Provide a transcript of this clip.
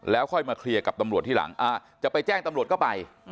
ค่อยมาเคลียร์กับตำรวจที่หลังจะไปแจ้งตำรวจก็ไป